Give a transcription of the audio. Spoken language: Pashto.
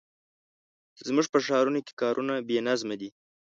زموږ په ښارونو کې کارونه بې نظمه دي.